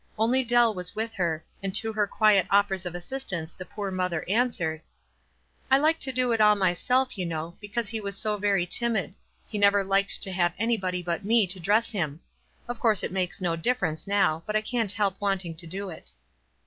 Only Dell was with her, and to her quiet offers of assistance the poor mother answered, — "I like to do it all myself, you know, because he Avas so very timid ; he never liked to have anybody but me to dress him. Of course it makes no difference now ; but I can't help want ing to do it."